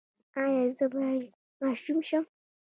ایا زه باید ماشوم شم؟